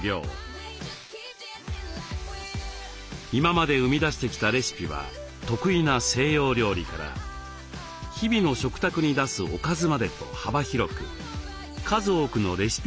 今まで生み出してきたレシピは得意な西洋料理から日々の食卓に出すおかずまでと幅広く数多くのレシピ本を出版してきました。